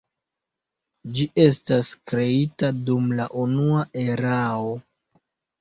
Ĝi estas kreita dum la Unua Erao.